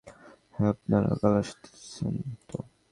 হ্যাঁঁ আপনারা কাল আসছেন তো?